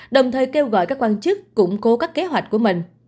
đồng thời kêu gọi các quan chức củng cố các kế hoạch của mình